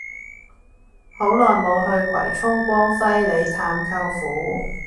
好耐無去葵涌光輝里探舅父